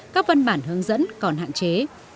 các văn bản hướng dẫn còn hạn chế